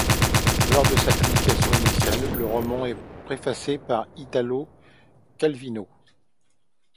Lors de sa publication initiale, le roman est préfacé par Italo Calvino.